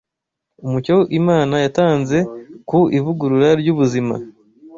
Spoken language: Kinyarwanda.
Umucyo Imana yatanze ku ivugurura ry’ubuzima